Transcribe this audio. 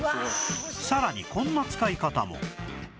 さらにこんな使い方も